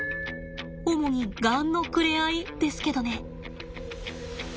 主にガンのくれ合いですけどね。